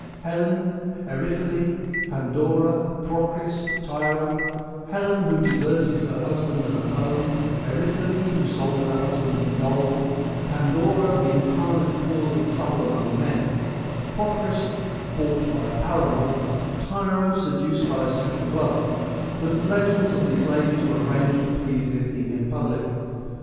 Helen, Eriphyle, Pandora, Procris, Tyro : Helen, who deserted her husband and her home ; Eriphyle, who sold her husband for gold ; Pandora, the in carnate cause of trouble among men ; Procris, bought by a paramour ; Tyro, seduced by a second lover : the legends of these ladies were arranged to please the Athenian public.